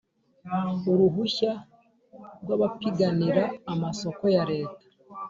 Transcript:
Uruhushya rw abapiganira amasoko ya Leta